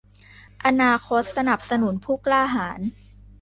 อนาคตสนับสนุนผู้กล้าหาญ